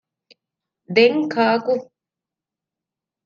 ދެން ކާކު؟